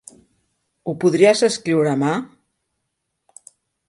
Ho podries escriure a mà.